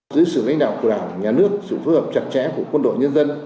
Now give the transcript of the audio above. dưới sự lãnh đạo của đảng nhà nước sự phối hợp chặt chẽ của quân đội nhân dân